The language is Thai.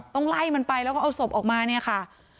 ต้องไล่มันไปแล้วก็เอาศพออกมาเนี่ยค่ะ